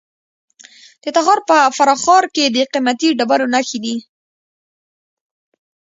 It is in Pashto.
د تخار په فرخار کې د قیمتي ډبرو نښې دي.